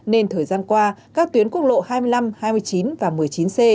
nên thời gian qua các tuyến quốc lộ hai mươi năm hai mươi chín và một mươi chín c